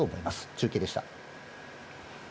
中継でした。